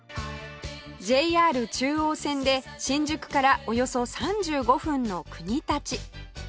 ＪＲ 中央線で新宿からおよそ３５分の国立